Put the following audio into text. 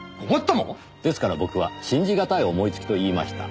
ですから僕は信じがたい思いつきと言いました。